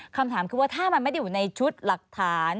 คำถามคือว่าถ้ามันไม่ได้อยู่ในชุดหลักฐาน